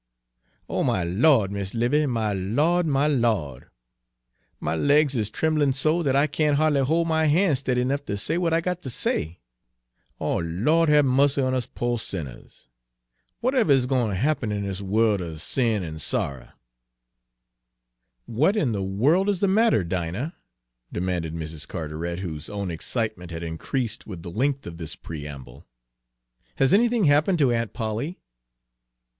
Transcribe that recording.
"O my Lawd, Mis' 'Livy, my Lawd, my Lawd! My legs is trim'lin' so dat I can't ha'dly hol' my han's stiddy 'nough ter say w'at I got ter say! O Lawd have mussy on us po' sinners! W'atever is gwine ter happen in dis worl' er sin an' sorrer!" "What in the world is the matter, Dinah?" demanded Mrs. Carteret, whose own excitement had increased with the length of this preamble. "Has anything happened to Aunt Polly?"